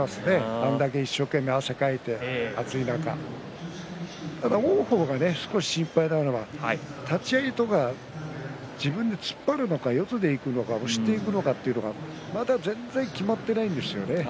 あれだけ一生懸命汗をかいて暑い中、王鵬が少し心配なのは立ち合いとか自分で突っ張るのか四つに行くのか押していくのか全然決まってないですね。